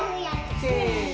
・せの・・